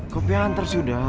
kopi antar sudah